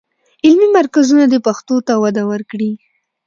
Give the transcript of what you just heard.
علمي مرکزونه دې پښتو ته وده ورکړي.